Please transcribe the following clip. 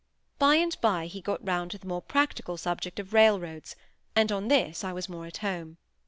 By and by he got round to the more practical subject of railroads, and on this I was more at home.